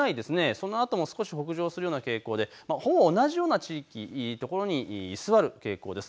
そのあとも少し北上するような傾向でほぼ同じような所に居座る傾向です。